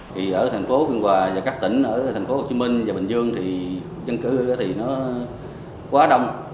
thì ở thành phố biên hòa và các tỉnh ở thành phố hồ chí minh và bình dương thì dân cư thì nó quá đông